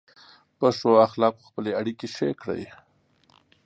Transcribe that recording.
په ښو اخلاقو خپلې اړیکې ښې کړئ.